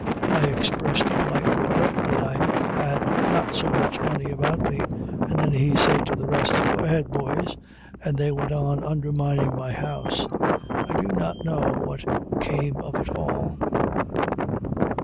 I expressed a polite regret that I had not so much money about me, and then he said to the rest, "Go ahead, boys," and they went on undermining my house. I do not know what came of it all.